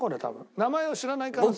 名前を知らない可能性？